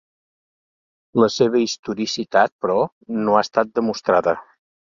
La seva historicitat, però, no ha estat demostrada.